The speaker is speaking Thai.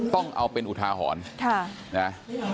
ต้องเอาเป็นอุทาหรณ์